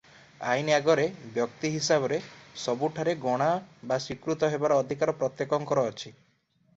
ଆଇନ ଆଗରେ ବ୍ୟକ୍ତି ହିସାବରେ ସବୁଠାରେ ଗଣା ବା ସ୍ୱୀକୃତ ହେବାର ଅଧିକାର ପ୍ରତ୍ୟେକଙ୍କର ଅଛି ।